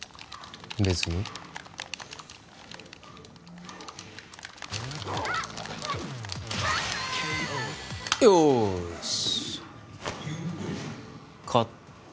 別によーし！